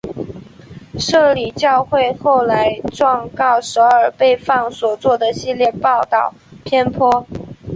摄理教会后来状告首尔放送所做的系列报导偏颇。